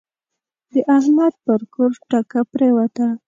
د احمد پر کور ټکه پرېوته.